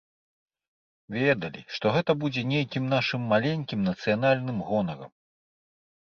Ведалі, што гэта будзе нейкім нашым маленькім нацыянальным гонарам.